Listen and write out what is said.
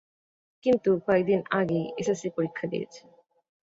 কিন্তু কয়েকদিন আগেই এসএসসি পরীক্ষা দিয়েছে।